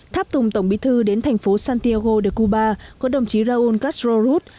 tháp tùng tổng bí thư đến thành phố santiago de cuba có đồng chí raúl castro ruth